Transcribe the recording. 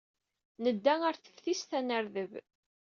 Nedda ɣer teftist ad nerdeb.